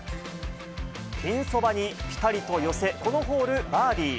ピンそばにぴたりと寄せ、このホールバーディー。